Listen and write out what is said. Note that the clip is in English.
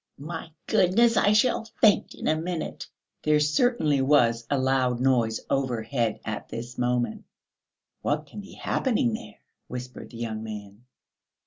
"My goodness, I shall faint in a minute." There certainly was a loud noise overhead at this moment. "What can be happening there?" whispered the young man.